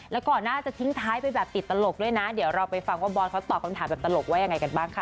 แล้วก่อนหน้าจะทิ้งท้ายไปแบบติดตลกด้วยนะเดี๋ยวเราไปฟังว่าบอสเขาตอบคำถามแบบตลกว่ายังไงกันบ้างค่ะ